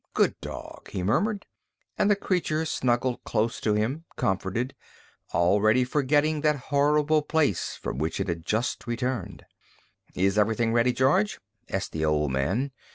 "Good dog," he murmured; and the creature snuggled close to him, comforted, already forgetting that horrible place from which it had just returned. "Is everything ready, George?" asked the old man.